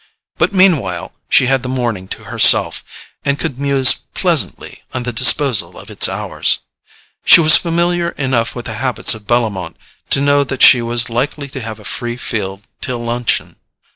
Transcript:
But meanwhile she had the morning to herself, and could muse pleasantly on the disposal of its hours. She was familiar enough with the habits of Bellomont to know that she was likely to have a free field till luncheon.